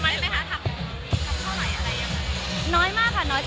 มันเหมือนกับมันเหมือนกับมันเหมือนกับ